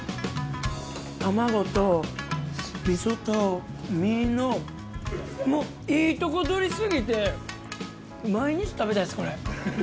卵と味噌と身のもういいとこ取り過ぎて毎日食べたいですこれ。